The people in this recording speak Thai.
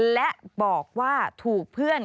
และบอกว่าถูกเพื่อน